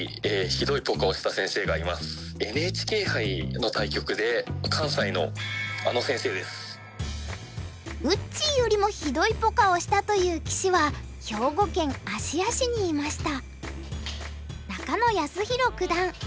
ＮＨＫ杯の対局でうっちーよりもひどいポカをしたという棋士は兵庫県芦屋市にいました。